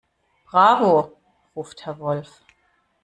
"Bravo!", ruft Herr Wolf.